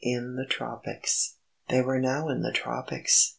IN THE TROPICS They were now in the tropics.